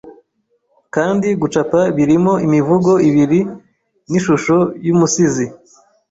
kandi gucapa birimo imivugo ibiri nishusho yumusizi